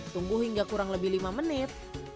tunggu hingga kurang lebih lima menit